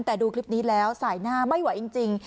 แต่ดูคลิปนี้แล้วสายหน้าไม่ไหวจริง